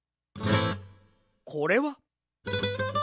これは。